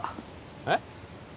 えっ？